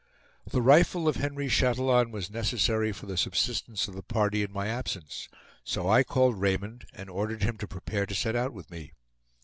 The rifle of Henry Chatillon was necessary for the subsistence of the party in my absence; so I called Raymond, and ordered him to prepare to set out with me.